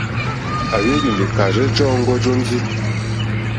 À hwélì lìkàrzɛ́ jɔǃ́ɔ́ŋɡɔ́ jóndì.